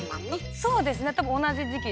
そうですね多分同じ時期ですよね。